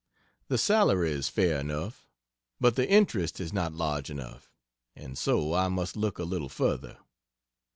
The salary is fair enough, but the interest is not large enough, and so I must look a little further.